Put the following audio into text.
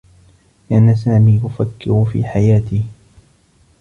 كان سامي يفكّر في حياته.